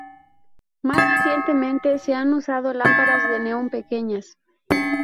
Más recientemente se han usado lámparas de neón pequeñas.